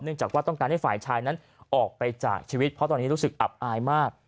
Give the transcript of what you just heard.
จากว่าต้องการให้ฝ่ายชายนั้นออกไปจากชีวิตเพราะตอนนี้รู้สึกอับอายมาก